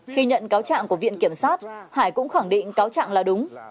khi nhận cáo trạng của viện kiểm sát hải cũng khẳng định cáo trạng là đúng